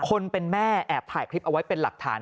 คนเป็นแม่แอบถ่ายคลิปเอาไว้เป็นหลักฐาน